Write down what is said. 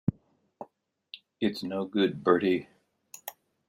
It's no good, Bertie.